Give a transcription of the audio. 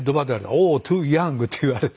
「オー！トゥーヤング！」って言われて。